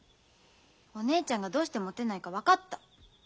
お姉ちゃんがどうしてもてないか分かった。